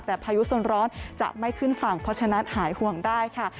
แต่พายุส่วนร้อนจะไม่ขึ้นฝั่งเพราะฉะนั้นหายห่วงได้ค่ะ